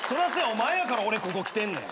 お前やから俺ここ来てんねん。